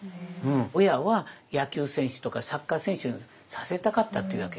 親は野球選手とかサッカー選手にさせたかったって言うわけ。